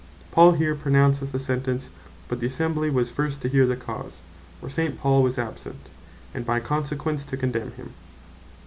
Paul here pronounceth the Sentence; but the Assembly was first to hear the Cause, (for St. Paul was absent;) and by consequence to condemn him.